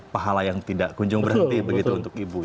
pahala yang tidak kunjung berhenti begitu untuk ibu ya